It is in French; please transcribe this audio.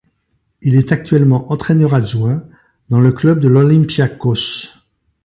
Il est actuellement entraîneur adjoint dans le club de l'Olympiakos.